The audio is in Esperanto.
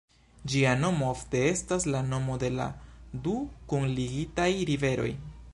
Ĝia nomo ofte estas la nomo de la du kunligitaj riveroj.